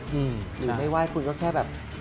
หรือไม่ไหว้คุณก็แค่แบบ